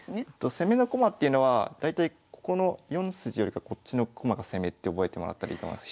攻めの駒っていうのは大体ここの４筋よりかこっちの駒が攻めって覚えてもらったらいいと思います。